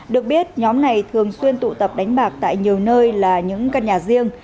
được biết nhóm này thường xuyên tụ tập đánh bạc tại nhiều nơi là những căn nhà riêng